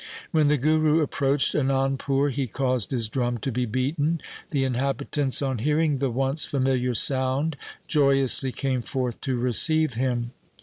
When the Guru approached Anandpur he caused his drum to be beaten. The inhabitants on LIFE OF GURU GOBIND SINGH 55 hearing the once familiar sound joyously came forth to receive him.